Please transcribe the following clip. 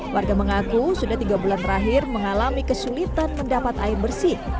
warga mengaku sudah tiga bulan terakhir mengalami kesulitan mendapat air bersih